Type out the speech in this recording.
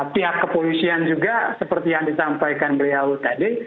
pihak kepolisian juga seperti yang disampaikan beliau tadi